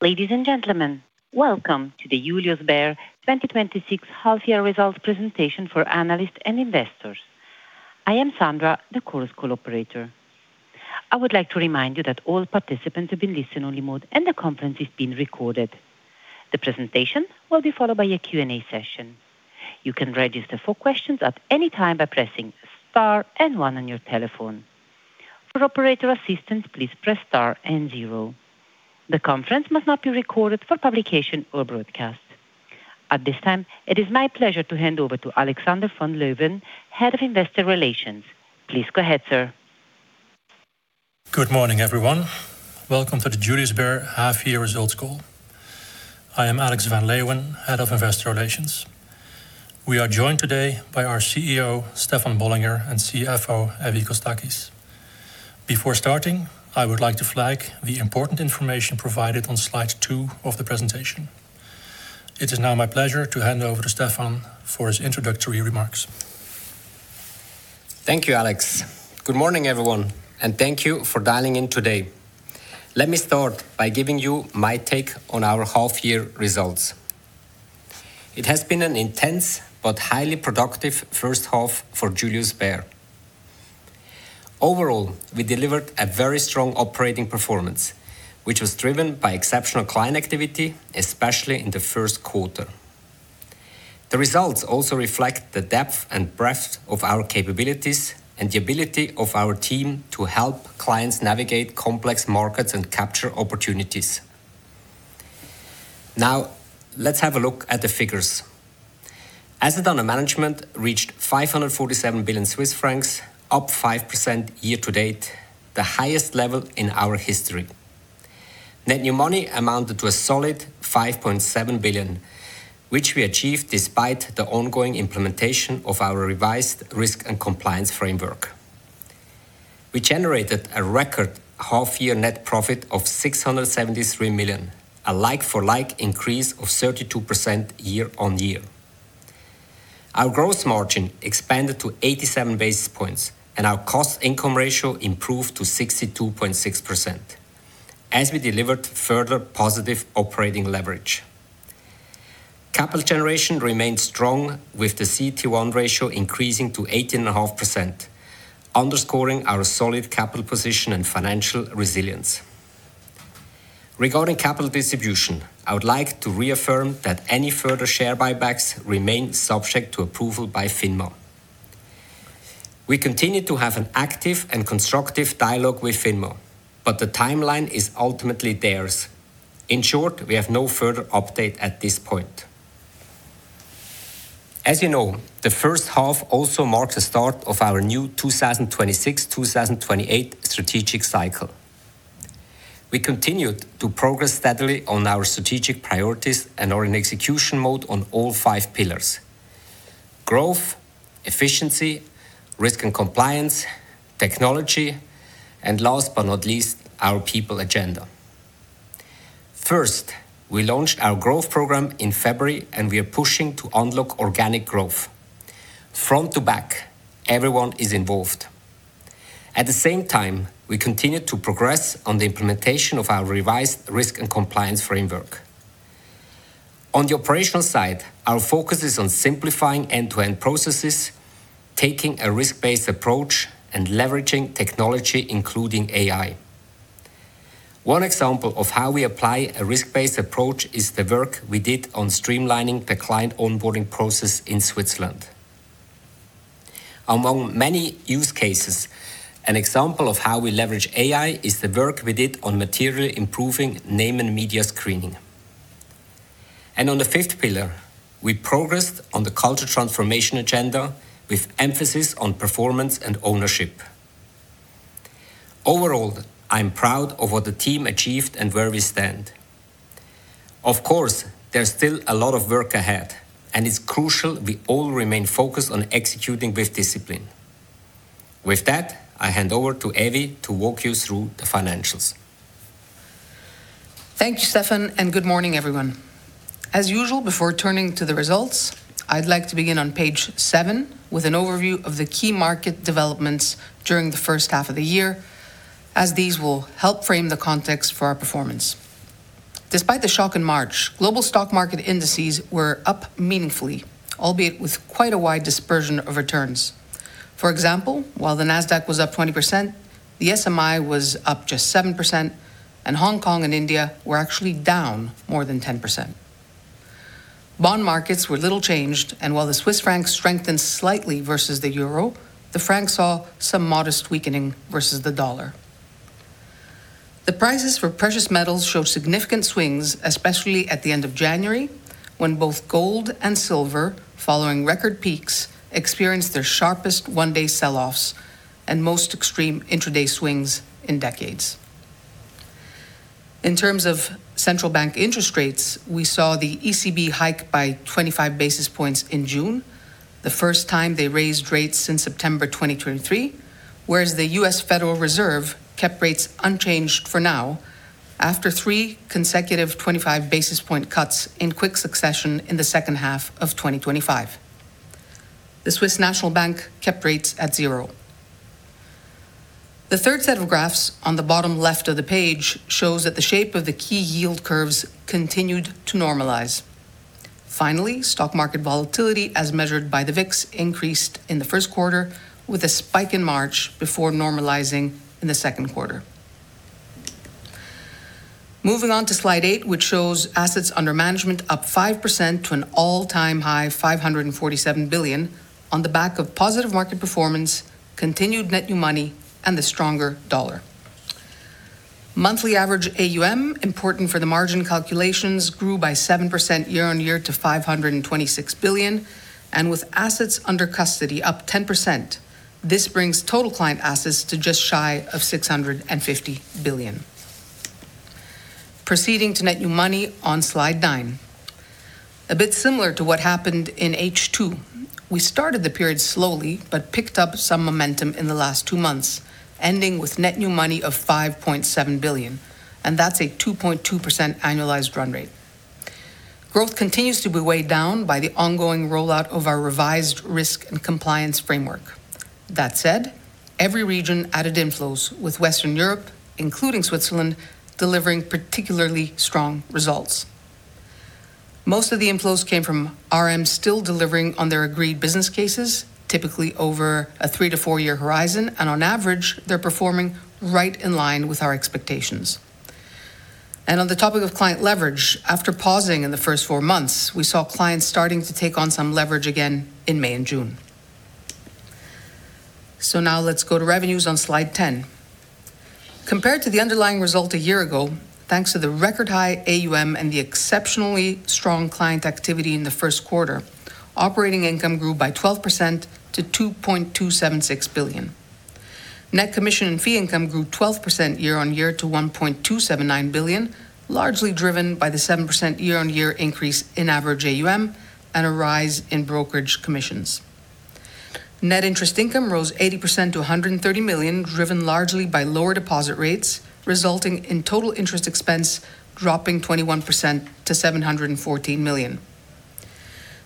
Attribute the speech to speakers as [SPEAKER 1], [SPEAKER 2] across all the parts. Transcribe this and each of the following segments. [SPEAKER 1] Ladies and gentlemen, welcome to the Julius Bär 2026 half-year results presentation for analysts and investors. I am Sandra, the Chorus Call operator. I would like to remind you that all participants have been listen-only mode and the conference is being recorded. The presentation will be followed by a Q&A session. You can register for questions at any time by pressing star and one on your telephone. For operator assistance, please press star and zero. The conference must not be recorded for publication or broadcast. At this time, it is my pleasure to hand over to Alexander van Leeuwen, Head of Investor Relations. Please go ahead, sir.
[SPEAKER 2] Good morning, everyone. Welcome to the Julius Bär half-year results call. I am Alex van Leeuwen, Head of Investor Relations. We are joined today by our CEO, Stefan Bollinger, and CFO, Evie Kostakis. Before starting, I would like to flag the important information provided on slide two of the presentation. It is now my pleasure to hand over to Stefan for his introductory remarks.
[SPEAKER 3] Thank you, Alex. Good morning, everyone, thank you for dialing in today. Let me start by giving you my take on our half-year results. It has been an intense but highly productive first half for Julius Bär. Overall, we delivered a very strong operating performance, which was driven by exceptional client activity, especially in the first quarter. The results also reflect the depth and breadth of our capabilities and the ability of our team to help clients navigate complex markets and capture opportunities. Let's have a look at the figures. Assets under management reached 547 billion Swiss francs, up 5% year-to-date, the highest level in our history. Net new money amounted to a solid 5.7 billion, which we achieved despite the ongoing implementation of our revised risk and compliance framework. We generated a record half-year net profit of 673 million, a like-for-like increase of 32% year-on-year. Our gross margin expanded to 87 basis points, our cost-income ratio improved to 62.6% as we delivered further positive operating leverage. Capital generation remained strong with the CET1 ratio increasing to 18.5%, underscoring our solid capital position and financial resilience. Regarding capital distribution, I would like to reaffirm that any further share buybacks remain subject to approval by FINMA. We continue to have an active and constructive dialogue with FINMA, the timeline is ultimately theirs. In short, we have no further update at this point. You know, the first half also marks the start of our new 2026-2028 strategic cycle. We continued to progress steadily on our strategic priorities and are in execution mode on all five pillars: growth, efficiency, risk and compliance, technology, and last but not least, our people agenda. First, we launched our growth program in February, and we are pushing to unlock organic growth. Front to back, everyone is involved. At the same time, we continue to progress on the implementation of our revised risk and compliance framework. On the operational side, our focus is on simplifying end-to-end processes, taking a risk-based approach, and leveraging technology, including AI. One example of how we apply a risk-based approach is the work we did on streamlining the client onboarding process in Switzerland. Among many use cases, an example of how we leverage AI is the work we did on material improving name and media screening. On the fifth pillar, we progressed on the culture transformation agenda with emphasis on performance and ownership. Overall, I'm proud of what the team achieved and where we stand. Of course, there's still a lot of work ahead, and it's crucial we all remain focused on executing with discipline. With that, I hand over to Evie to walk you through the financials.
[SPEAKER 4] Thank you, Stefan, and good morning, everyone. As usual, before turning to the results, I'd like to begin on page seven with an overview of the key market developments during the first half of the year, as these will help frame the context for our performance. Despite the shock in March, global stock market indices were up meaningfully, albeit with quite a wide dispersion of returns. For example, while the Nasdaq was up 20%, the SMI was up just 7%, and Hong Kong and India were actually down more than 10%. Bond markets were little changed, and while the Swiss franc strengthened slightly versus the euro, the franc saw some modest weakening versus the dollar. The prices for precious metals showed significant swings, especially at the end of January, when both gold and silver, following record peaks, experienced their sharpest one-day sell-offs and most extreme intraday swings in decades. In terms of central bank interest rates, we saw the ECB hike by 25 basis points in June, the first time they raised rates since September 2023, whereas the U.S. Federal Reserve kept rates unchanged for now after three consecutive 25-basis-point cuts in quick succession in the second half of 2025. The Swiss National Bank kept rates at 0%. The third set of graphs on the bottom left of the page shows that the shape of the key yield curves continued to normalize. Finally, stock market volatility, as measured by the VIX, increased in the first quarter with a spike in March before normalizing in the second quarter. Moving on to slide eight, which shows assets under management up 5% to an all-time high of 547 billion on the back of positive market performance, continued net new money, and the stronger dollar. Monthly average AUM, important for the margin calculations, grew by 7% year-over-year to 526 billion, and with assets under custody up 10%, this brings total client assets to just shy of 650 billion. Proceeding to net new money on slide nine. A bit similar to what happened in H2. We started the period slowly but picked up some momentum in the last two months, ending with net new money of 5.7 billion, and that's a 2.2% annualized run-rate. Growth continues to be weighed down by the ongoing rollout of our revised risk and compliance framework. That said, every region added inflows with Western Europe, including Switzerland, delivering particularly strong results. Most of the inflows came from RMs still delivering on their agreed business cases, typically over a three- to four-year horizon, and on average, they're performing right in line with our expectations. On the topic of client leverage, after pausing in the first four months, we saw clients starting to take on some leverage again in May and June. Now let's go to revenues on slide 10. Compared to the underlying result a year ago, thanks to the record-high AUM and the exceptionally strong client activity in the first quarter, operating income grew by 12% to 2.276 billion. Net commission and fee income grew 12% year-on-year to 1.279 billion, largely driven by the 7% year-on-year increase in average AUM and a rise in brokerage commissions. Net interest income rose 80% to 130 million, driven largely by lower deposit rates, resulting in total interest expense dropping 21% to 714 million.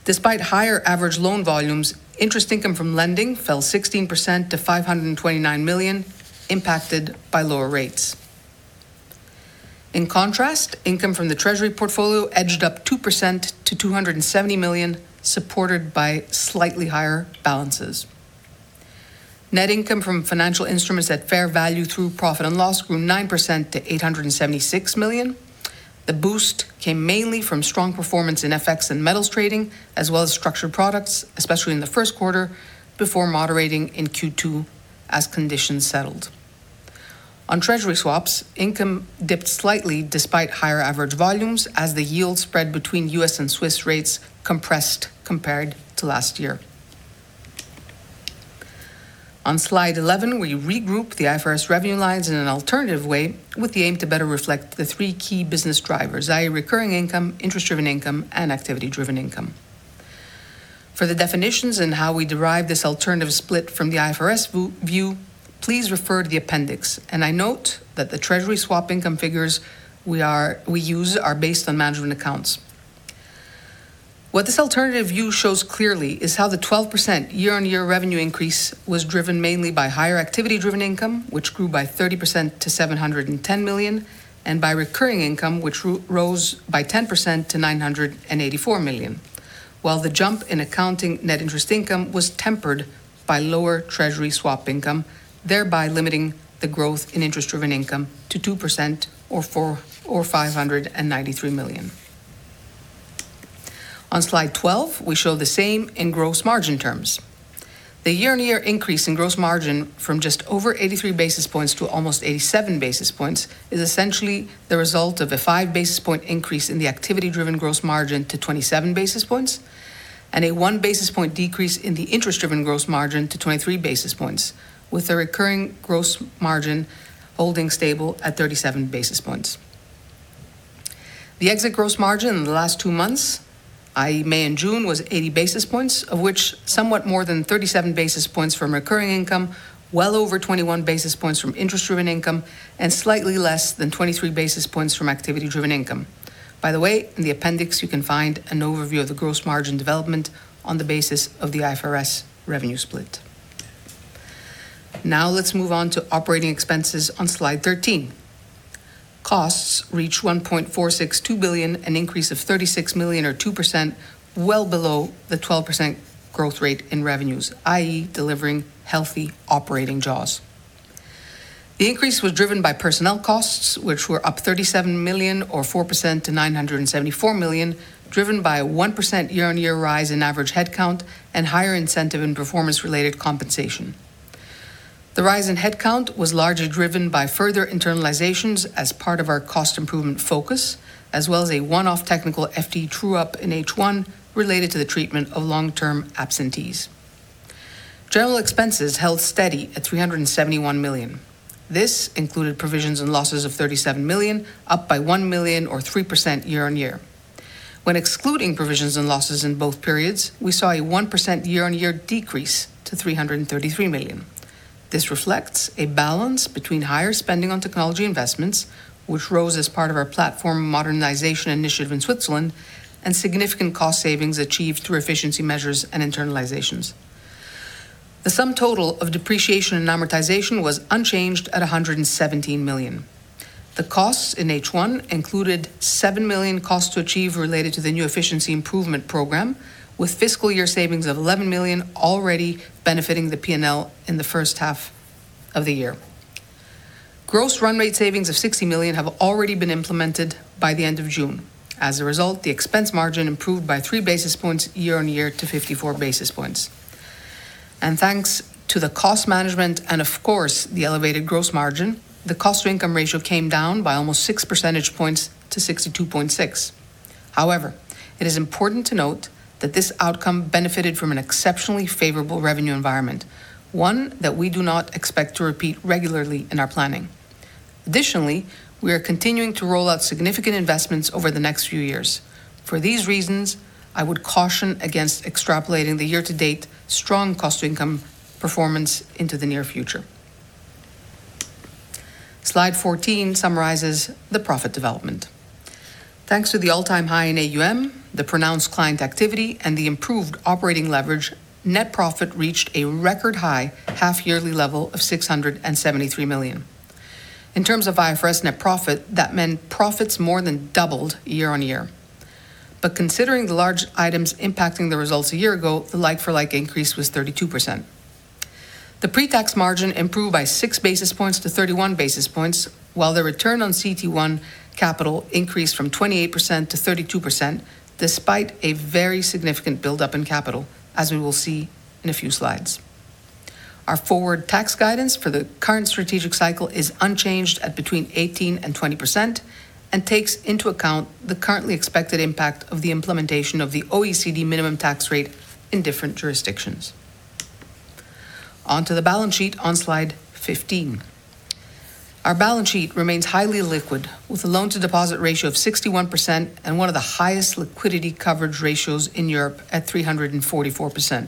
[SPEAKER 4] Despite higher average loan volumes, interest income from lending fell 16% to 529 million, impacted by lower rates. In contrast, income from the treasury portfolio edged up 2% to 270 million, supported by slightly higher balances. Net income from financial instruments at fair value through profit and loss grew 9% to 876 million. The boost came mainly from strong performance in FX and metals trading, as well as structured products, especially in the first quarter, before moderating in Q2 as conditions settled. On Treasury swaps, income dipped slightly despite higher average volumes as the yield spread between U.S. and Swiss rates compressed compared to last year. On slide 11, we regroup the IFRS revenue lines in an alternative way with the aim to better reflect the three key business drivers, i.e., recurring income, interest-driven income, and activity-driven income. For the definitions and how we derive this alternative split from the IFRS view, please refer to the appendix. I note that the treasury swap income figures we use are based on management accounts. What this alternative view shows clearly is how the 12% year-on-year revenue increase was driven mainly by higher activity-driven income, which grew by 30% to 710 million, and by recurring income, which rose by 10% to 984 million. While the jump in accounting net interest income was tempered by lower treasury swap income, thereby limiting the growth in interest-driven income to 2% or 593 million. On slide 12, we show the same in gross margin terms. The year-on-year increase in gross margin from just over 83 basis points to almost 87 basis points is essentially the result of a 5-basis point increase in the activity-driven gross margin to 27 basis points and a 1-basis point decrease in the interest-driven gross margin to 23 basis points, with the recurring gross margin holding stable at 37 basis points. The exit gross margin in the last two months, i.e., May and June, was 80 basis points, of which somewhat more than 37 basis points from recurring income, well over 21 basis points from interest-driven income, and slightly less than 23 basis points from activity-driven income. By the way, in the appendix, you can find an overview of the gross margin development on the basis of the IFRS revenue split. Now let's move on to operating expenses on slide 13. Costs reach 1.462 billion, an increase of 36 million or 2%, well below the 12% growth rate in revenues, i.e., delivering healthy operating jaws. The increase was driven by personnel costs, which were up 37 million or 4% to 974 million, driven by a 1% year-on-year rise in average headcount and higher incentive and performance-related compensation. The rise in headcount was largely driven by further internalizations as part of our cost improvement focus, as well as a one-off technical FTE true-up in H1 related to the treatment of long-term absentees. General expenses held steady at 371 million. This included provisions and losses of 37 million, up by 1 million or 3% year-on-year. When excluding provisions and losses in both periods, we saw a 1% year-on-year decrease to 333 million. This reflects a balance between higher spending on technology investments, which rose as part of our platform modernization initiative in Switzerland, and significant cost savings achieved through efficiency measures and internalizations. The sum total of depreciation and amortization was unchanged at 117 million. The costs in H1 included 7 million costs to achieve related to the new efficiency improvement program, with fiscal year savings of 11 million already benefiting the P&L in the first half of the year. Gross run-rate savings of 60 million have already been implemented by the end of June. As a result, the expense margin improved by 3 basis points year-on-year to 54 basis points. Thanks to the cost management and of course the elevated gross margin, the cost-to-income ratio came down by almost 6 percentage points to 62.6%. However, it is important to note that this outcome benefited from an exceptionally favorable revenue environment, one that we do not expect to repeat regularly in our planning. Additionally, we are continuing to roll out significant investments over the next few years. For these reasons, I would caution against extrapolating the year-to-date strong cost-to-income performance into the near future. Slide 14 summarizes the profit development. Thanks to the all-time high in AUM, the pronounced client activity, and the improved operating leverage, net profit reached a record high half-yearly level of 673 million. In terms of IFRS net profit, that meant profits more than doubled year-on-year. Considering the large items impacting the results a year ago, the like-for-like increase was 32%. The pre-tax margin improved by 6 basis points to 31 basis points, while the return on CET1 capital increased from 28% to 32%, despite a very significant buildup in capital, as we will see in a few slides. Our forward tax guidance for the current strategic cycle is unchanged at between 18% and 20% and takes into account the currently expected impact of the implementation of the OECD minimum tax rate in different jurisdictions. On to the balance sheet on slide 15. Our balance sheet remains highly liquid, with a loan-to-deposit ratio of 61% and one of the highest liquidity coverage ratios in Europe at 344%.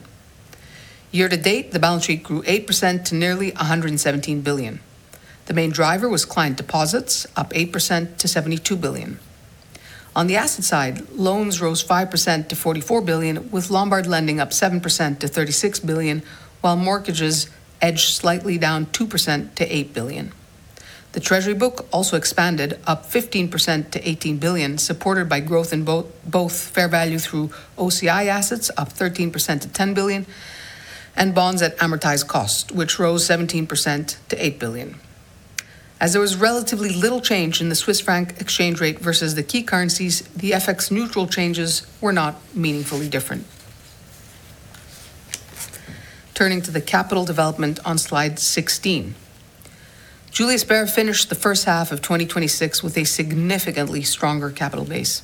[SPEAKER 4] Year-to-date, the balance sheet grew 8% to nearly 117 billion. The main driver was client deposits, up 8% to 72 billion. On the asset side, loans rose 5% to 44 billion, with Lombard lending up 7% to 36 billion, while mortgages edged slightly down 2% to 8 billion. The treasury book also expanded up 15% to 18 billion, supported by growth in both fair value through OCI assets up 13% to 10 billion, and bonds at amortized cost, which rose 17% to 8 billion. As there was relatively little change in the Swiss franc exchange rate versus the key currencies, the FX neutral changes were not meaningfully different. Turning to the capital development on slide 16. Julius Bär finished the first half of 2026 with a significantly stronger capital base.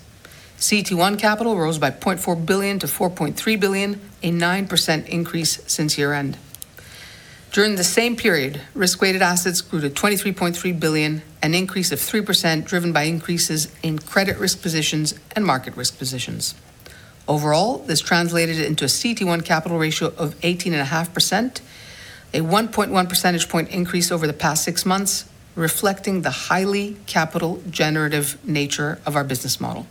[SPEAKER 4] CET1 capital rose by 0.4 billion to 4.3 billion, a 9% increase since year-end. During the same period, risk-weighted assets grew to 23.3 billion, an increase of 3% driven by increases in credit risk positions and market risk positions. Overall, this translated into a CET1 capital ratio of 18.5%, a 1.1 percentage point increase over the past six months, reflecting the highly capital-generative nature of our business model.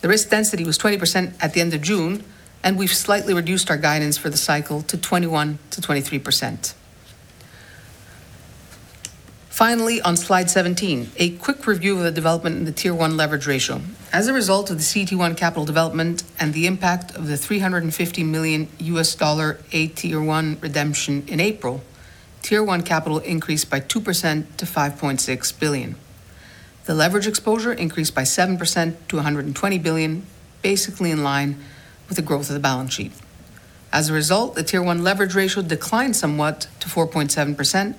[SPEAKER 4] The risk density was 20% at the end of June, and we've slightly reduced our guidance for the cycle to 21%-23%. Finally, on slide 17, a quick review of the development in the Tier 1 leverage ratio. As a result of the CET1 capital development and the impact of the $350 million Tier 1 redemption in April, Tier 1 capital increased by 2% to 5.6 billion. The leverage exposure increased by 7% to 120 billion, basically in line with the growth of the balance sheet. As a result, the Tier 1 leverage ratio declined somewhat to 4.7%,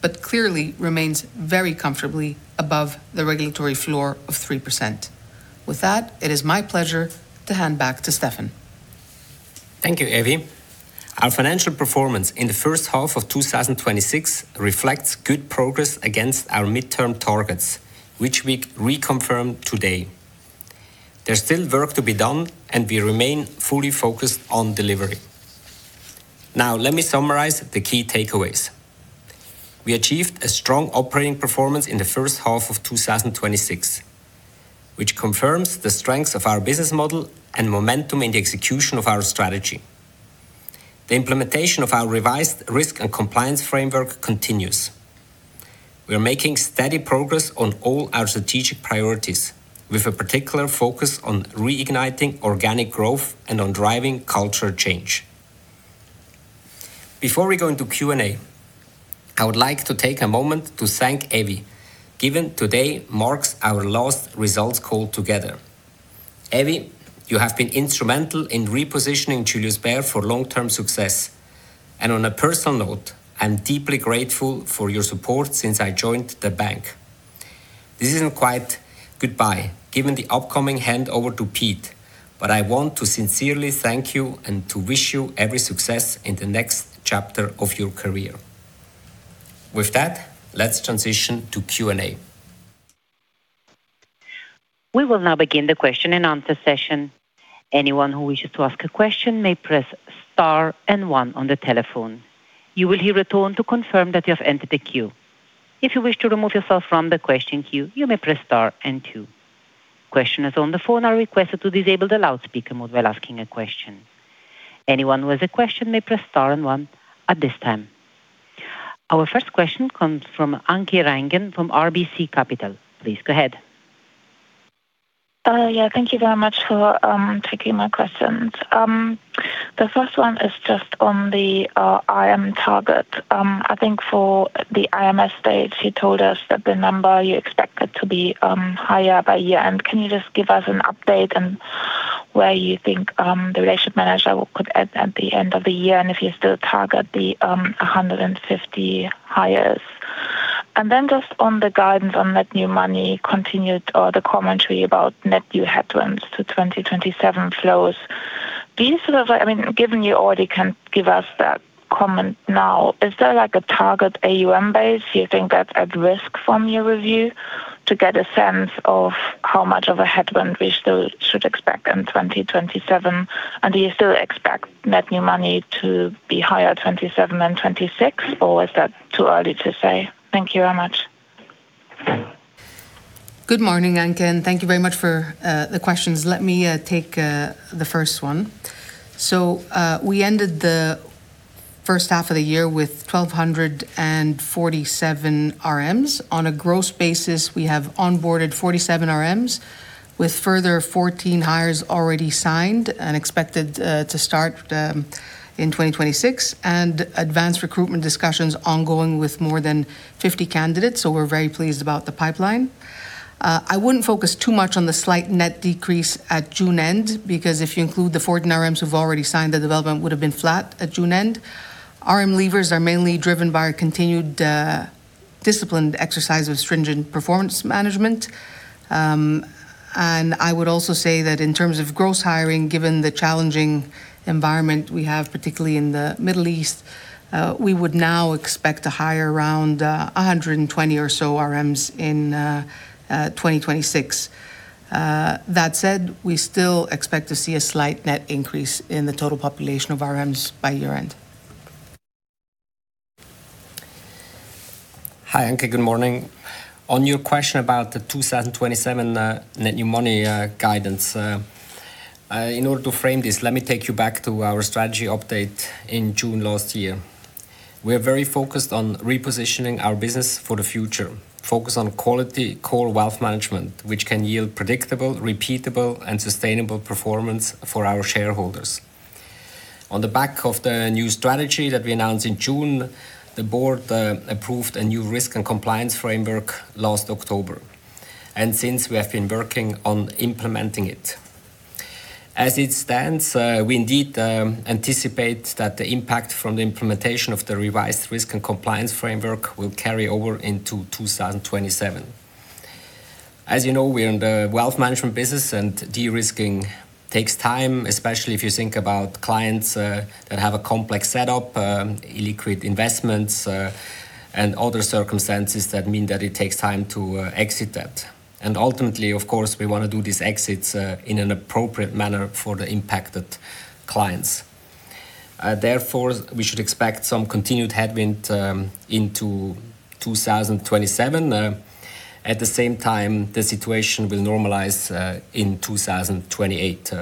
[SPEAKER 4] but clearly remains very comfortably above the regulatory floor of 3%. With that, it is my pleasure to hand back to Stefan.
[SPEAKER 3] Thank you, Evie. Our financial performance in the first half of 2026 reflects good progress against our midterm targets, which we reconfirm today. There's still work to be done, and we remain fully focused on delivery. Now, let me summarize the key takeaways. We achieved a strong operating performance in the first half of 2026, which confirms the strengths of our business model and momentum in the execution of our strategy. The implementation of our revised risk and compliance framework continues. We are making steady progress on all our strategic priorities, with a particular focus on reigniting organic growth and on driving culture change. Before we go into Q&A, I would like to take a moment to thank Evie, given today marks our last results call together. Evie, you have been instrumental in repositioning Julius Bär for long-term success. On a personal note, I am deeply grateful for your support since I joined the bank. This is not quite goodbye, given the upcoming handover to Pete, but I want to sincerely thank you and to wish you every success in the next chapter of your career. With that, let's transition to Q&A.
[SPEAKER 1] We will now begin the question-and-answer session. Anyone who wishes to ask a question may press star and one on the telephone. You will hear a tone to confirm that you have entered the queue. If you wish to remove yourself from the question queue, you may press star and two. Questioners on the phone are requested to disable the loudspeaker mode while asking a question. Anyone with a question may press star and one at this time. Our first question comes from Anke Reingen from RBC Capital. Please go ahead.
[SPEAKER 5] Thank you very much for taking my questions. The first one is just on the RM target. I think for the IMS date, you told us that the number you expected to be higher by year-end. Can you just give us an update on where you think the relationship manager could end at the end of the year, and if you still target the 150 hires? Then just on the guidance on net new money continued, or the commentary about net new headwinds to 2027 flows. Given you already can give us that comment now, is there like a target AUM base you think that is at risk from your review to get a sense of how much of a headwind we still should expect in 2027? Do you still expect net new money to be higher 2027 than 2026, or is that too early to say? Thank you very much.
[SPEAKER 4] Good morning, Anke, and thank you very much for the questions. Let me take the first one. We ended the first half of the year with 1,247 RMs. On a gross basis, we have onboarded 47 RMs, with further 14 hires already signed and expected to start in 2026, and advanced recruitment discussions ongoing with more than 50 candidates. We're very pleased about the pipeline. I wouldn't focus too much on the slight net decrease at June end, because if you include the 14 RMs who've already signed, the development would've been flat at June end. RM leavers are mainly driven by our continued disciplined exercise of stringent performance management. I would also say that in terms of gross hiring, given the challenging environment we have, particularly in the Middle East, we would now expect to hire around 120 or so RMs in 2026. That said, we still expect to see a slight net increase in the total population of RMs by year-end.
[SPEAKER 3] Hi, Anke. Good morning. On your question about the 2027 net new money guidance. In order to frame this, let me take you back to our strategy update in June last year. We're very focused on repositioning our business for the future, focused on quality core wealth management, which can yield predictable, repeatable, and sustainable performance for our shareholders. On the back of the new strategy that we announced in June, the Board approved a new risk and compliance framework last October, and since we have been working on implementing it. As it stands, we indeed anticipate that the impact from the implementation of the revised risk and compliance framework will carry over into 2027. As you know, we are in the wealth management business, and de-risking takes time, especially if you think about clients that have a complex setup, illiquid investments, and other circumstances that mean that it takes time to exit that. Ultimately, of course, we want to do these exits in an appropriate manner for the impacted clients. Therefore, we should expect some continued headwind into 2027. At the same time, the situation will normalize in 2028.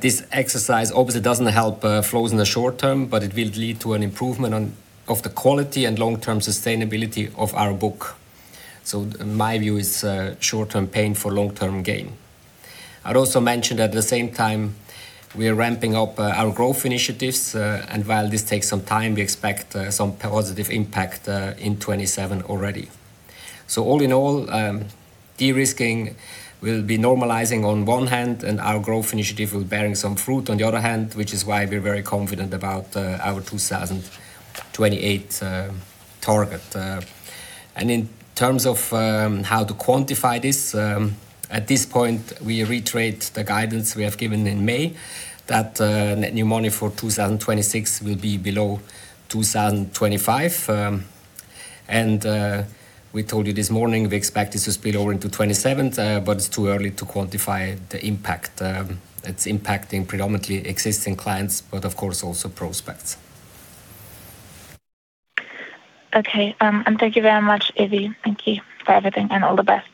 [SPEAKER 3] This exercise obviously doesn't help flows in the short term, but it will lead to an improvement of the quality and long-term sustainability of our book. My view is short-term pain for long-term gain. I'd also mention at the same time, we are ramping-up our growth initiatives, and while this takes some time, we expect some positive impact in 2027 already. All in all, de-risking will be normalizing on one hand, and our growth initiative will bearing some fruit on the other hand, which is why we're very confident about our 2028 target. In terms of how to quantify this, at this point, we reiterate the guidance we have given in May that net new money for 2026 will be below 2025. We told you this morning, we expect this to spill over into 2027, but it's too early to quantify the impact. It's impacting predominantly existing clients, but of course, also prospects.
[SPEAKER 5] Okay. Thank you very much, Evie. Thank you for everything, and all the best.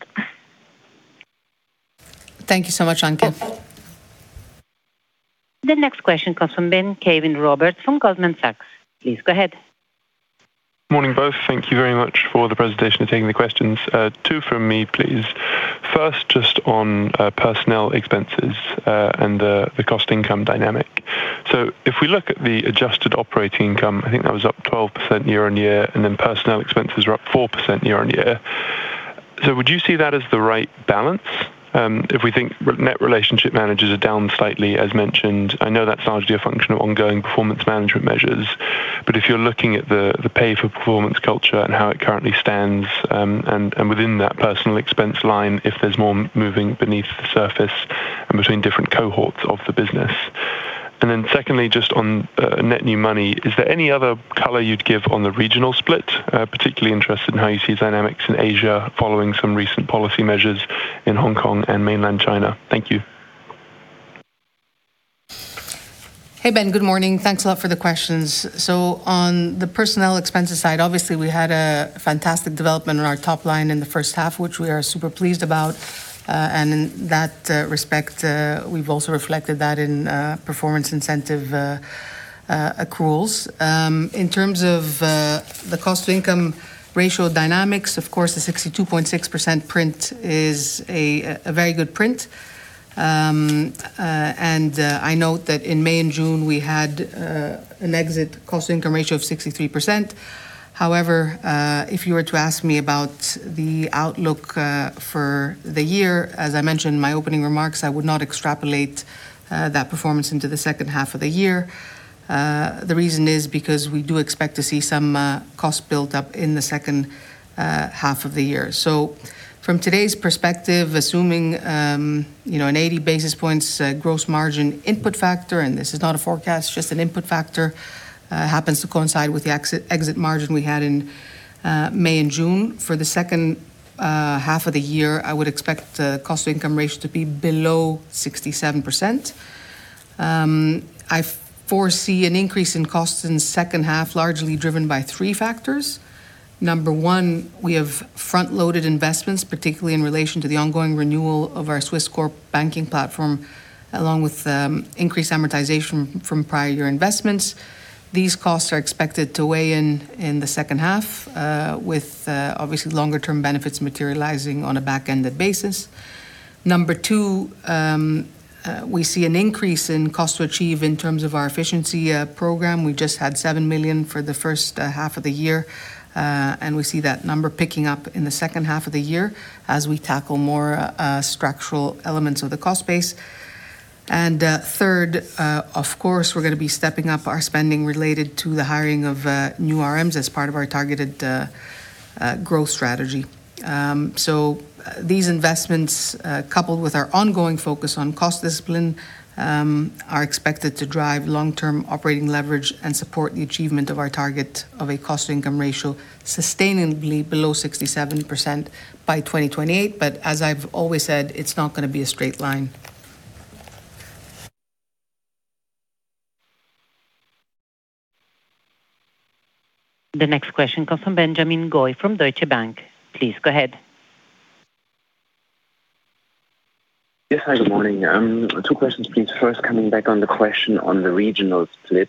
[SPEAKER 4] Thank you so much, Anke.
[SPEAKER 1] The next question comes from Ben Caven-Roberts from Goldman Sachs. Please go ahead.
[SPEAKER 6] Morning, both. Thank you very much for the presentation and taking the questions. Two from me, please. First, just on personnel expenses and the cost-income dynamic. If we look at the adjusted operating income, I think that was up 12% year-on-year, personnel expenses were up 4% year-on-year. Would you see that as the right balance? If we think net relationship managers are down slightly, as mentioned, I know that's largely a function of ongoing performance management measures, if you're looking at the pay-for-performance culture and how it currently stands, and within that personnel expense line, if there's more moving beneath the surface and between different cohorts of the business. Secondly, just on net new money, is there any other color you'd give on the regional split? Particularly interested in how you see dynamics in Asia following some recent policy measures in Hong Kong and mainland China. Thank you.
[SPEAKER 4] Hey, Ben. Good morning. Thanks a lot for the questions. On the personnel expenses side, obviously, we had a fantastic development on our top-line in the first half, which we are super pleased about. In that respect, we've also reflected that in performance incentive accruals. In terms of the cost-income ratio dynamics, of course, the 62.6% print is a very good print. I note that in May and June we had an exit cost-income ratio of 63%. If you were to ask me about the outlook for the year, as I mentioned in my opening remarks, I would not extrapolate that performance into the second half of the year. The reason is because we do expect to see some cost build-up in the second half of the year. From today's perspective, assuming an 80 basis points gross margin input factor, this is not a forecast, just an input factor, happens to coincide with the exit margin we had in May and June. For the second half of the year, I would expect the cost-income ratio to be below 67%. I foresee an increase in costs in the second half, largely driven by three factors. Number one, we have front-loaded investments, particularly in relation to the ongoing renewal of our Swiss core banking platform, along with increased amortization from prior year investments. These costs are expected to weigh in in the second half, with obviously longer-term benefits materializing on a back-ended basis. Number two, we see an increase in cost to achieve in terms of our efficiency program. We've just had 7 million for the first half of the year, and we see that number picking up in the second half of the year as we tackle more structural elements of the cost base. Third, of course, we're going to be stepping up our spending related to the hiring of new RMs as part of our targeted growth strategy. These investments, coupled with our ongoing focus on cost discipline, are expected to drive long-term operating leverage and support the achievement of our target of a cost-income ratio sustainably below 67% by 2028. As I've always said, it's not going to be a straight line.
[SPEAKER 1] The next question comes from Benjamin Goy from Deutsche Bank. Please go ahead.
[SPEAKER 7] Yes. Good morning. Two questions, please. First, coming back on the question on the regional split,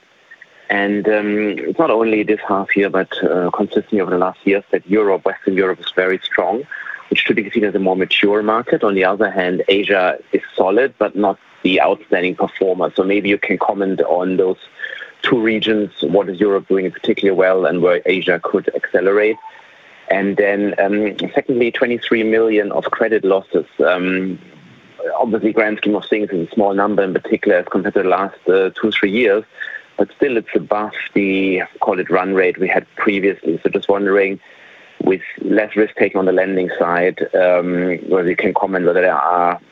[SPEAKER 7] it's not only this half year, but consistently over the last years that Western Europe is very strong, which should be seen as a more mature market. On the other hand, Asia is solid, but not the outstanding performer. Maybe you can comment on those two regions. What is Europe doing particularly well and where Asia could accelerate? Secondly, 23 million of credit losses. Obviously, grand scheme of things, it's a small number in particular as compared to the last two, three years. Still it's above the, call it run-rate we had previously. Just wondering, with less risk taking on the lending side, whether you can comment whether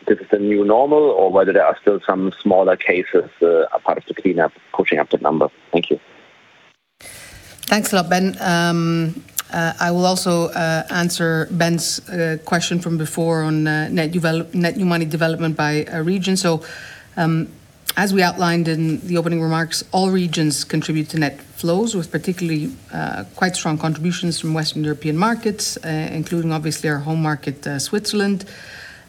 [SPEAKER 7] this is the new normal or whether there are still some smaller cases apart of the cleanup pushing up that number. Thank you.
[SPEAKER 4] Thanks a lot, Ben. I will also answer Ben's question from before on net new money development by region. As we outlined in the opening remarks, all regions contribute to net flows with particularly quite strong contributions from Western European markets, including obviously our home market, Switzerland.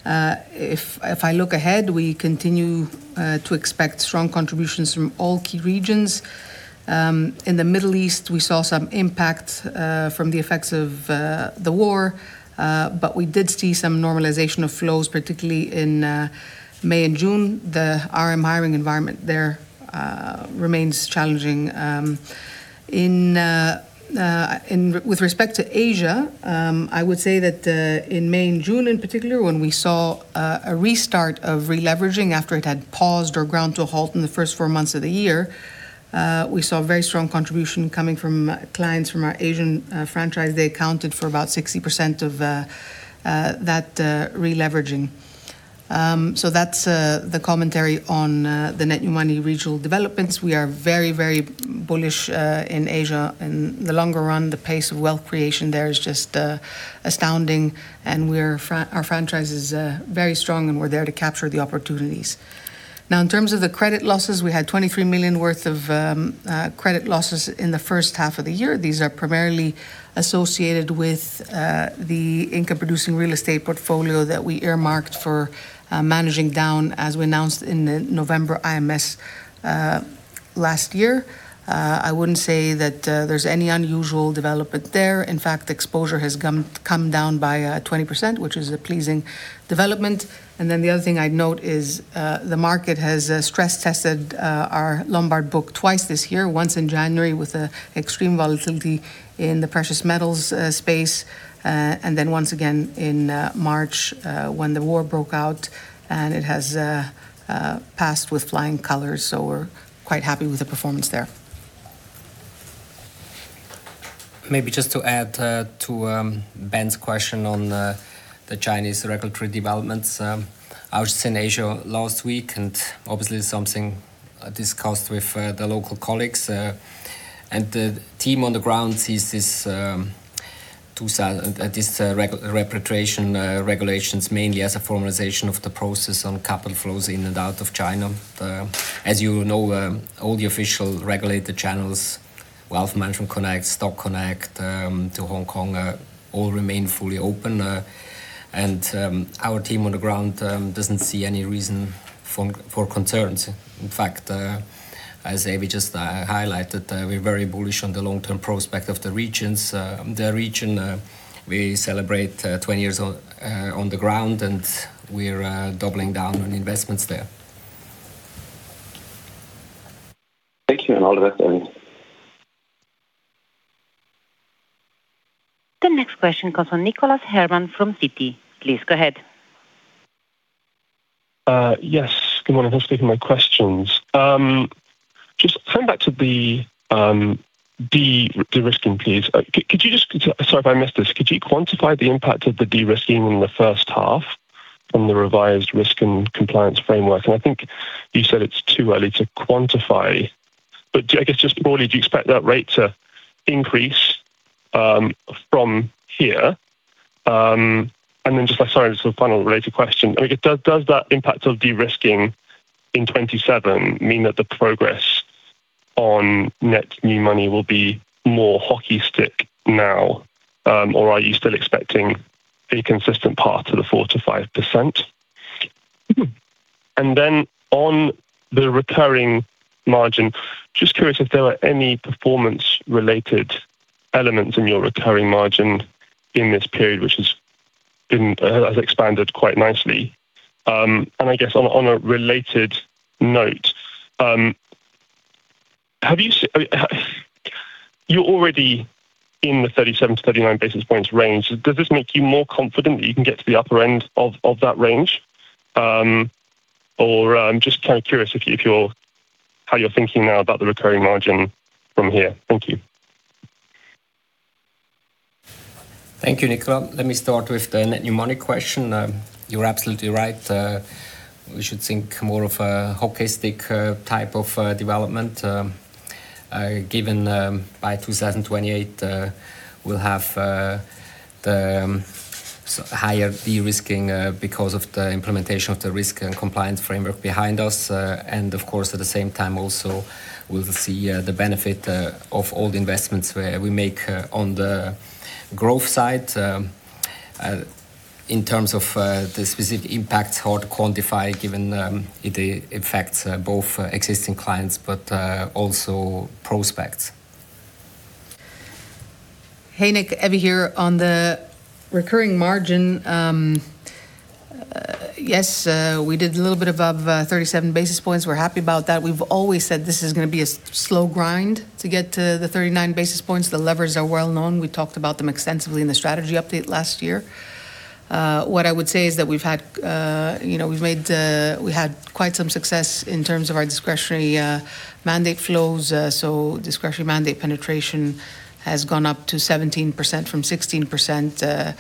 [SPEAKER 4] If I look ahead, we continue to expect strong contributions from all key regions. In the Middle East, we saw some impact from the effects of the war, but we did see some normalization of flows, particularly in May and June. The RM hiring environment there remains challenging. With respect to Asia, I would say that in May and June in particular, when we saw a restart of releveraging after it had paused or ground to a halt in the first four months of the year, we saw very strong contribution coming from clients from our Asian franchise. They accounted for about 60% of that releveraging. That's the commentary on the net new money regional developments. We are very bullish in Asia. In the longer run, the pace of wealth creation there is just astounding, and our franchise is very strong and we're there to capture the opportunities. In terms of the credit losses, we had 23 million worth of credit losses in the first half of the year. These are primarily associated with the income-producing real estate portfolio that we earmarked for managing down as we announced in the November IMS last year. I wouldn't say that there's any unusual development there. In fact, exposure has come down by 20%, which is a pleasing development. The other thing I'd note is the market has stress-tested our Lombard book twice this year, once in January with extreme volatility in the precious metals space, and then once again in March when the war broke out, and it has passed with flying colors. We're quite happy with the performance there.
[SPEAKER 3] Maybe just to add to Ben's question on the Chinese regulatory developments. I was just in Asia last week, and obviously something discussed with the local colleagues. The team on the ground sees these repatriation regulations mainly as a formalization of the process on capital flows in and out of China. As you know, all the official regulated channels Wealth Management Connect, Stock Connect to Hong Kong, all remain fully open. Our team on the ground doesn't see any reason for concerns. In fact, as Evie just highlighted, we're very bullish on the long-term prospect of the region. We celebrate 20 years on the ground, and we're doubling down on investments there.
[SPEAKER 7] Thank you. All the best.
[SPEAKER 1] The next question comes from Nicholas Herman from Citi. Please go ahead.
[SPEAKER 8] Yes, good morning. Thanks for taking my questions. Just coming back to the de-risking, please. Sorry if I missed this, could you quantify the impact of the de-risking in the first half from the revised risk and compliance framework? I think you said it's too early to quantify, but I guess just broadly, do you expect that rate to increase from here? Just sorry, this is a final related question. Does that impact of de-risking in 2027 mean that the progress on net new money will be more hockey stick now, or are you still expecting a consistent path to the 4%-5%? On the recurring margin, just curious if there were any performance-related elements in your recurring margin in this period, which has expanded quite nicely. I guess on a related note, you're already in the 37 basis points-39 basis points range. Does this make you more confident that you can get to the upper end of that range? I'm just kind of curious how you're thinking now about the recurring margin from here. Thank you.
[SPEAKER 3] Thank you, Nicholas. Let me start with the net new money question. You're absolutely right. We should think more of a hockey stick type of development, given by 2028 we'll have the higher de-risking because of the implementation of the risk and compliance framework behind us. Of course, at the same time also, we'll see the benefit of all the investments we make on the growth side. In terms of the specific impacts, hard to quantify given it affects both existing clients, but also prospects.
[SPEAKER 4] Hey, Nick. Evie here. On the recurring margin, yes, we did a little bit above 37 basis points. We're happy about that. We've always said this is going to be a slow grind to get to the 39 basis points. The levers are well known. We talked about them extensively in the strategy update last year. What I would say is that we've had quite some success in terms of our discretionary mandate flows. Discretionary mandate penetration has gone up to 17% from 16%,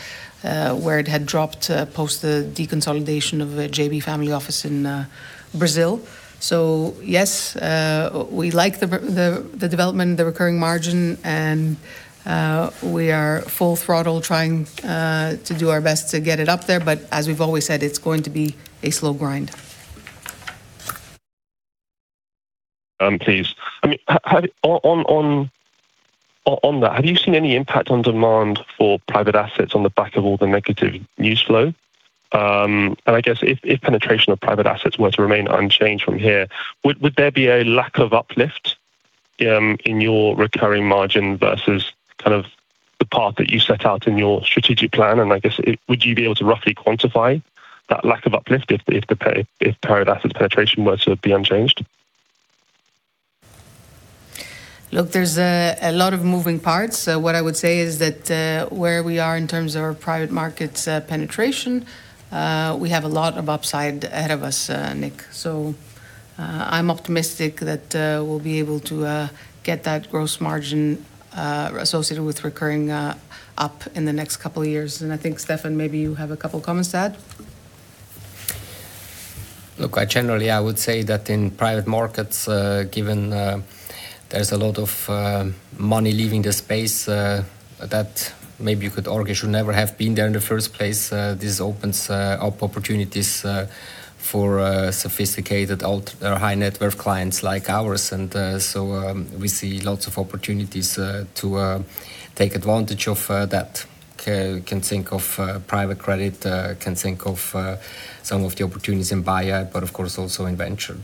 [SPEAKER 4] where it had dropped post the deconsolidation of the JB family office in Brazil. Yes, we like the development, the recurring margin, and we are full throttle trying to do our best to get it up there. As we've always said, it's going to be a slow grind.
[SPEAKER 8] Please. On that, have you seen any impact on demand for private assets on the back of all the negative news flow? I guess if penetration of private assets were to remain unchanged from here, would there be a lack of uplift in your recurring margin versus the path that you set out in your strategic plan? I guess, would you be able to roughly quantify that lack of uplift if private asset penetration were to be unchanged?
[SPEAKER 4] Look, there's a lot of moving parts. What I would say is that where we are in terms of our private markets penetration, we have a lot of upside ahead of us, Nick. I'm optimistic that we'll be able to get that gross margin associated with recurring up in the next couple of years. I think, Stefan, maybe you have a couple comments to add.
[SPEAKER 3] Look, generally, I would say that in private markets, given there's a lot of money leaving the space, that maybe you could argue should never have been there in the first place. This opens up opportunities for sophisticated, high-net-worth clients like ours. We see lots of opportunities to take advantage of that. Can think of private credit, can think of some of the opportunities in buyout, but of course, also in venture.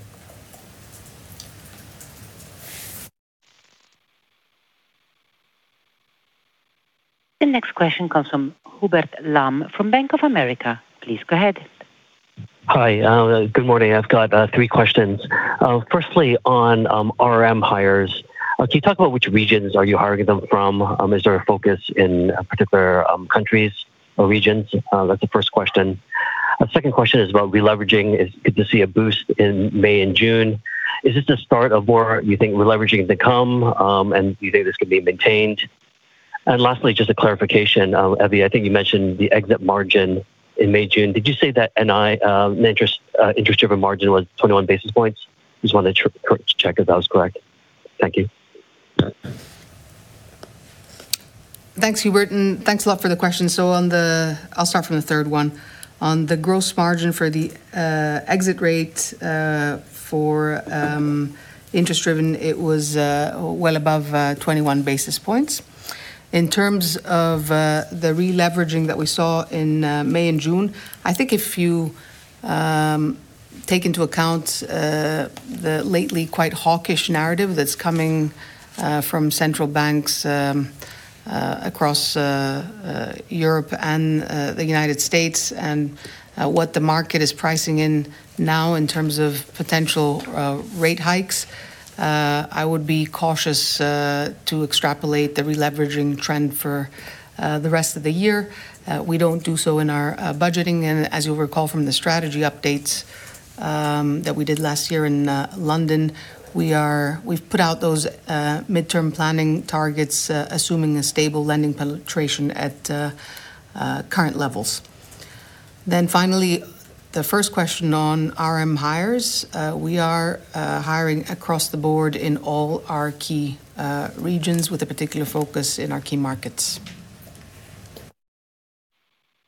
[SPEAKER 1] The next question comes from Hubert Lam from Bank of America. Please go ahead.
[SPEAKER 9] Hi. Good morning. I've got three questions. Firstly, on RM hires, can you talk about which regions are you hiring them from? Is there a focus in particular countries or regions? That's the first question. Second question is about releveraging. Good to see a boost in May and June. Is this the start of more you think releveraging to come? Do you think this can be maintained? Lastly, just a clarification. Evie, I think you mentioned the exit margin in May-June. Did you say that net interest-driven margin was 21 basis points? Just wanted to check if that was correct. Thank you.
[SPEAKER 4] Thanks, Hubert, and thanks a lot for the question. I'll start from the third one. On the gross margin for the exit rate for interest-driven, it was well above 21 basis points. In terms of the releveraging that we saw in May and June, I think if you take into account the lately quite hawkish narrative that's coming from central banks across Europe and the U.S., and what the market is pricing in now in terms of potential rate hikes, I would be cautious to extrapolate the releveraging trend for the rest of the year. We don't do so in our budgeting, and as you'll recall from the strategy updates that we did last year in London, we've put out those midterm planning targets, assuming a stable lending penetration at current levels. Finally, the first question on RM hires. We are hiring across the board in all our key regions with a particular focus in our key markets.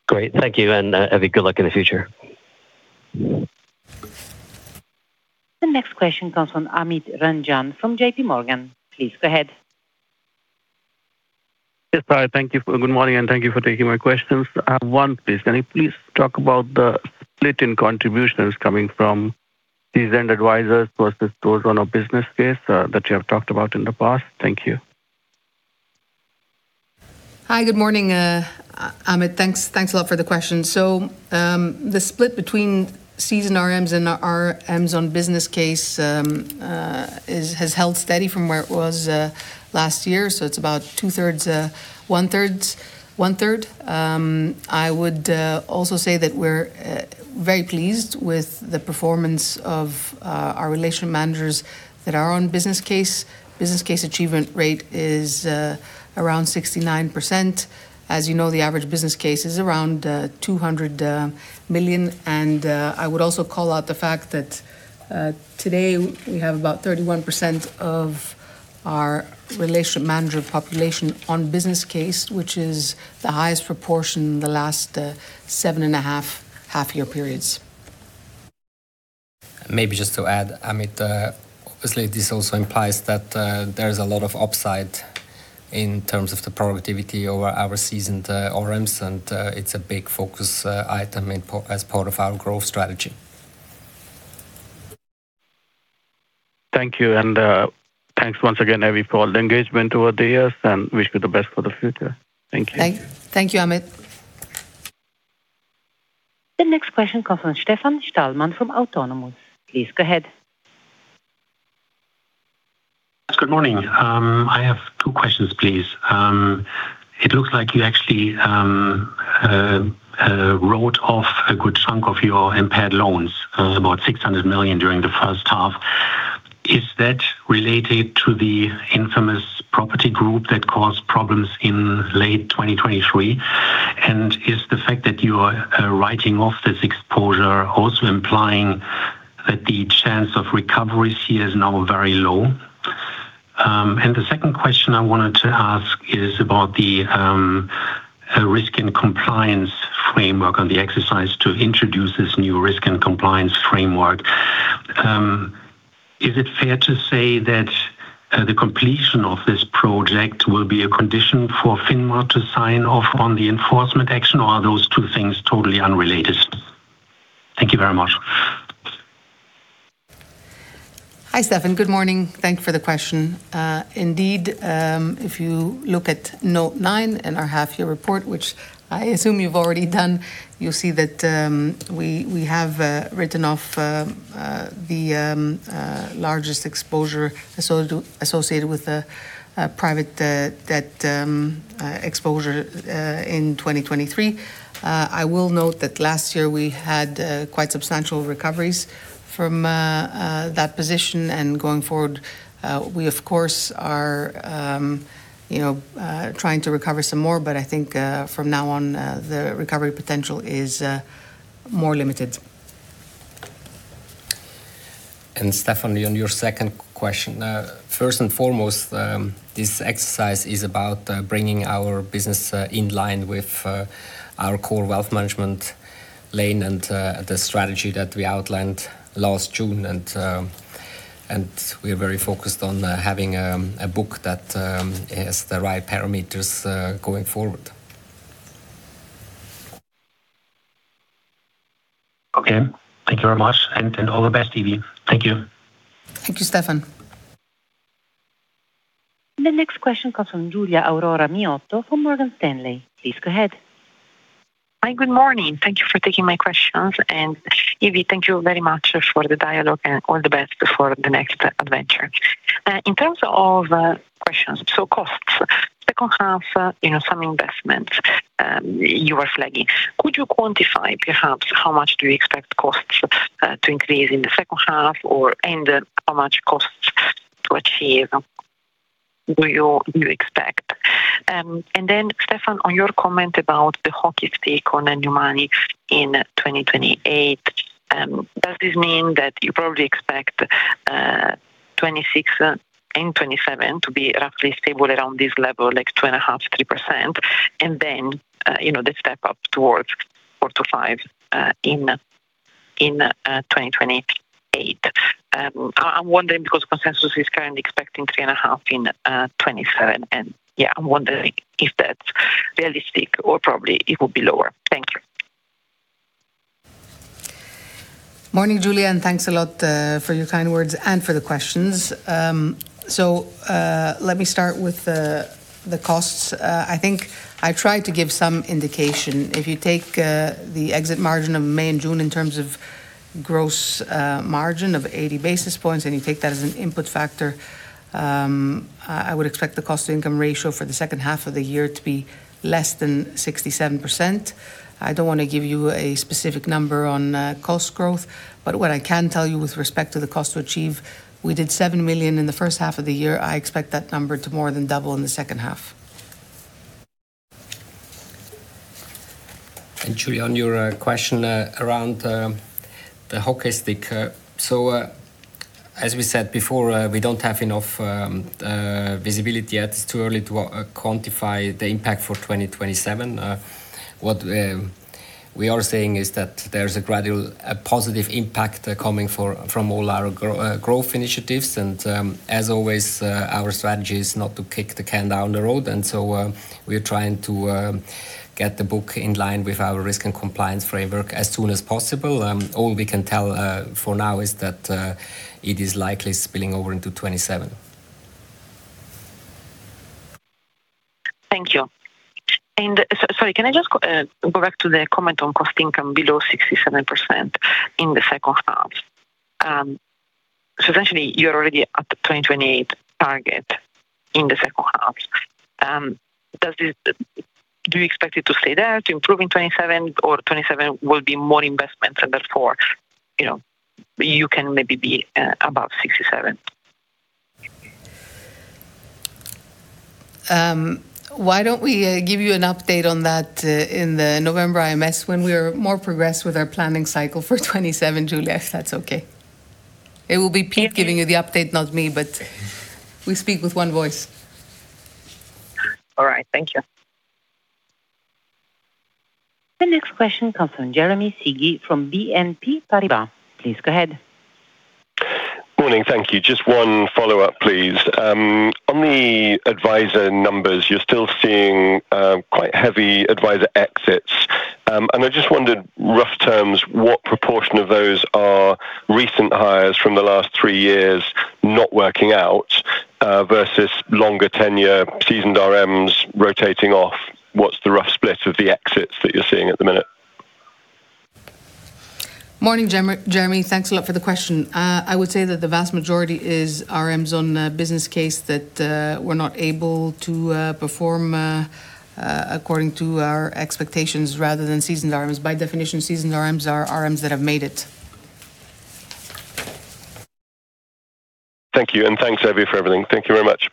[SPEAKER 9] Great. Thank you, and Evie, good luck in the future.
[SPEAKER 1] The next question comes from Amit Ranjan from JPMorgan. Please go ahead.
[SPEAKER 10] Yes. Hi. Good morning. Thank you for taking my questions. I have one, please. Can you please talk about the split in contributions coming from seasoned advisors versus those on a business case that you have talked about in the past? Thank you.
[SPEAKER 4] Hi. Good morning, Amit. Thanks a lot for the question. The split between seasoned RMs and RMs on business case has held steady from where it was last year. It's about two-thirds to one-third. I would also say that we're very pleased with the performance of our relationship managers that are on business case. Business case achievement rate is around 69%. As you know, the average business case is around 200 million, and I would also call out the fact that today we have about 31% of our relationship manager population on business case, which is the highest proportion in the last seven and a half half-year periods.
[SPEAKER 3] Maybe just to add, Amit, obviously this also implies that there is a lot of upside in terms of the productivity over our seasoned RMs, and it's a big focus item as part of our growth strategy.
[SPEAKER 10] Thank you. Thanks once again, Evie, for all the engagement over the years, and wish you the best for the future. Thank you.
[SPEAKER 4] Thank you, Amit.
[SPEAKER 1] The next question comes from Stefan Stalmann from Autonomous. Please go ahead.
[SPEAKER 11] Good morning. I have two questions, please. It looks like you actually wrote off a good chunk of your impaired loans, about 600 million during the first half. Is that related to the infamous property group that caused problems in late 2023? Is the fact that you are writing off this exposure also implying that the chance of recoveries here is now very low? The second question I wanted to ask is about the risk and compliance framework on the exercise to introduce this new risk and compliance framework. Is it fair to say that the completion of this project will be a condition for FINMA to sign off on the enforcement action, or are those two things totally unrelated? Thank you very much.
[SPEAKER 4] Hi, Stefan. Good morning. Thank you for the question. Indeed, if you look at note nine in our half-year report, which I assume you have already done, you will see that we have written-off the largest exposure associated with the private debt exposure in 2023. I will note that last year we had quite substantial recoveries from that position. Going forward, we of course are trying to recover some more, but I think from now on, the recovery potential is more limited.
[SPEAKER 3] Stefan, on your second question. First and foremost, this exercise is about bringing our business in-line with our core wealth management lane and the strategy that we outlined last June. We are very focused on having a book that has the right parameters going forward.
[SPEAKER 11] Okay. Thank you very much, and all the best, Evie. Thank you.
[SPEAKER 4] Thank you, Stefan.
[SPEAKER 1] The next question comes from Giulia Aurora Miotto from Morgan Stanley. Please go ahead.
[SPEAKER 12] Hi, good morning. Thank you for taking my questions, and Evie, thank you very much for the dialogue and all the best for the next adventure. In terms of questions, costs. Second half, some investments you are flagging. Could you quantify perhaps how much do you expect costs to increase in the second half or how much costs to achieve do you expect? Then Stefan, on your comment about the hockey stick on new money in 2028? Does this mean that you probably expect 2026 and 2027 to be roughly stable around this level, like 2.5%-3%, and then the step up towards 4%-5% in 2028? I'm wondering because consensus is currently expecting 3.5% in 2027, and I'm wondering if that's realistic or probably it will be lower. Thank you.
[SPEAKER 4] Morning, Giulia, thanks a lot for your kind words and for the questions. Let me start with the costs. I think I tried to give some indication. If you take the exit margin of May and June in terms of gross margin of 80 basis points, you take that as an input factor, I would expect the cost-to-income ratio for the second half of the year to be less than 67%. I do not want to give you a specific number on cost growth, but what I can tell you with respect to the cost to achieve, we did 7 million in the first half of the year. I expect that number to more than double in the second half.
[SPEAKER 3] Giulia, on your question around the hockey stick. As we said before, we do not have enough visibility yet. It is too early to quantify the impact for 2027. What we are saying is that there is a gradual positive impact coming from all our growth initiatives. As always, our strategy is not to kick the can down the road, we are trying to get the book in line with our risk and compliance framework as soon as possible. All we can tell for now is that it is likely spilling over into 2027.
[SPEAKER 12] Thank you. Sorry, can I just go back to the comment on cost income below 67% in the second half? Essentially, you are already at the 2028 target in the second half. Do you expect it to stay there, to improve in 2027, or 2027 will be more investments, and therefore, you can maybe be above 67%?
[SPEAKER 4] Why don't we give you an update on that in the November IMS when we are more progressed with our planning cycle for 2027, Giulia, if that is okay. It will be Pete giving you the update, not me, but we speak with one voice.
[SPEAKER 12] All right. Thank you.
[SPEAKER 1] The next question comes from Jeremy Sigee from BNP Paribas. Please go ahead.
[SPEAKER 13] Morning. Thank you. Just one follow-up, please. On the advisor numbers, you're still seeing quite heavy advisor exits. I just wondered, rough terms, what proportion of those are recent hires from the last three years not working out versus longer tenure, seasoned RMs rotating off? What's the rough split of the exits that you're seeing at the minute?
[SPEAKER 4] Morning, Jeremy. Thanks a lot for the question. I would say that the vast majority is RMs on a business case that were not able to perform according to our expectations rather than seasoned RMs. By definition, seasoned RMs are RMs that have made it.
[SPEAKER 13] Thank you, and thanks, Evie, for everything. Thank you very much.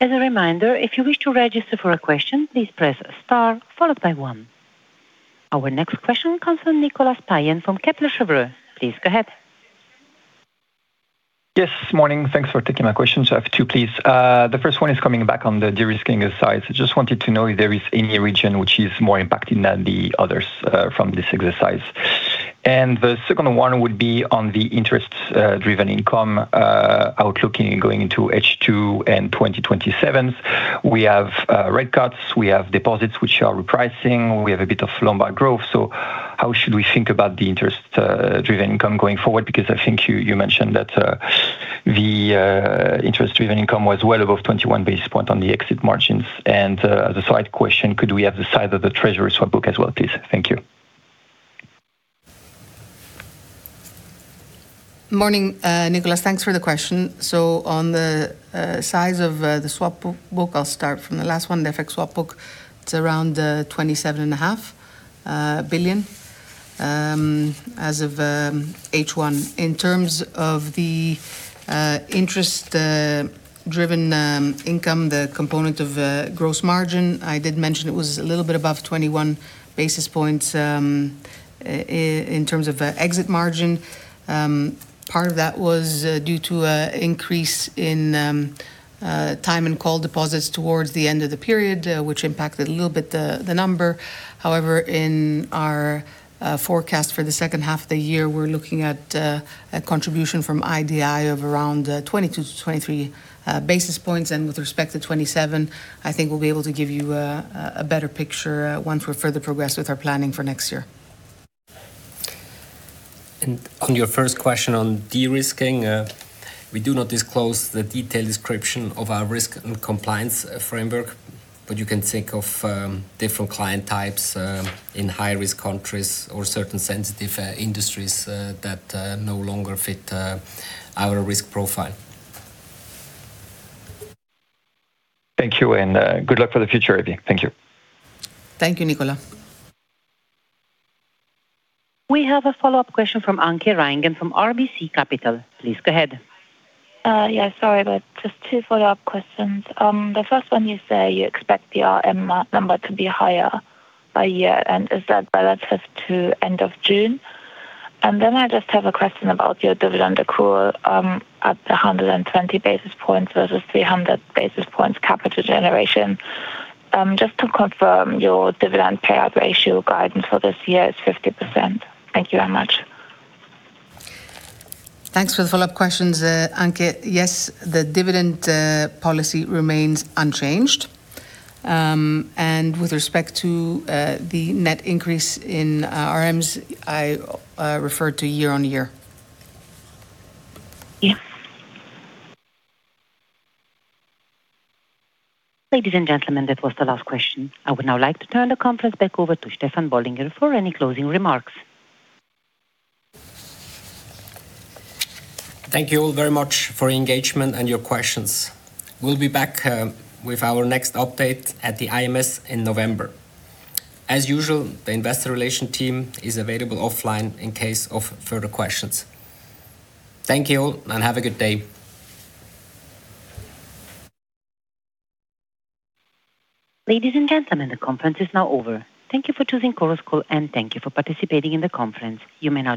[SPEAKER 1] As a reminder, if you wish to register for a question, please press star followed by one. Our next question comes from Nicolas Payen from Kepler Cheuvreux. Please go ahead.
[SPEAKER 14] Yes, morning. Thanks for taking my questions. I have two, please. The first one is coming back on the de-risking side. Just wanted to know if there is any region which is more impacted than the others from this exercise. The second one would be on the interest-driven income outlook going into H2 and 2027. We have rate cuts, we have deposits which are repricing, we have a bit of loan by growth. How should we think about the interest-driven income going forward? I think you mentioned that the interest-driven income was well above 21 basis points on the exit margins. As a side question, could we have the size of the treasury swap book as well, please? Thank you.
[SPEAKER 4] Morning, Nicolas. Thanks for the question. On the size of the swap book, I'll start from the last one, the FX swap book. It's around 27.5 billion as of H1. In terms of the interest-driven income, the component of gross margin, I did mention it was a little bit above 21 basis points in terms of exit margin. Part of that was due to an increase in time and call deposits towards the end of the period, which impacted a little bit the number. However, in our forecast for the second half of the year, we're looking at a contribution from IDI of around 22 to 23 basis points. With respect to 2027, I think we'll be able to give you a better picture once we're further progressed with our planning for next year.
[SPEAKER 3] On your first question on de-risking, we do not disclose the detailed description of our risk and compliance framework, but you can think of different client types in high-risk countries or certain sensitive industries that no longer fit our risk profile.
[SPEAKER 14] Thank you, good luck for the future, Evie. Thank you.
[SPEAKER 4] Thank you, Nicolas.
[SPEAKER 1] We have a follow-up question from Anke Reingen from RBC Capital. Please go ahead.
[SPEAKER 5] Yeah, sorry, just two follow-up questions. The first one, you say you expect the RM number to be higher by year-end. Is that relative to end of June? I just have a question about your dividend accrual at 120 basis points versus 300 basis points capital generation. Just to confirm, your dividend payout ratio guidance for this year is 50%. Thank you very much.
[SPEAKER 4] Thanks for the follow-up questions, Anke. Yes, the dividend policy remains unchanged. With respect to the net increase in RMs, I referred to year-on-year.
[SPEAKER 5] [inaudible]
[SPEAKER 1] Ladies and gentlemen, that was the last question. I would now like to turn the conference back over to Stefan Bollinger for any closing remarks.
[SPEAKER 3] Thank you all very much for your engagement and your questions. We'll be back with our next update at the IMS in November. As usual, the Investor Relations team is available offline in case of further questions. Thank you all, have a good day.
[SPEAKER 1] Ladies and gentlemen, the conference is now over. Thank you for choosing Chorus Call, and thank you for participating in the conference. You may now disconnect.